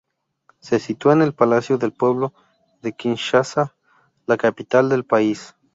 Se sitúa en el Palacio del Pueblo de Kinshasa, la capital del país.